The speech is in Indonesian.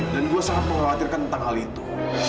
dan gue sangat mengkhawatirkan tentang hal itu